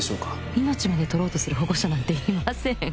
命までとろうとする保護者なんていませんよ。